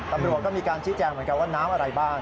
ตำรวจก็มีการชี้แจงเหมือนกันว่าน้ำอะไรบ้าง